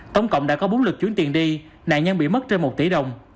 tổng cộng đã có bốn lượt chuyển tiền đi nạn nhân bị mất trên một tỷ đồng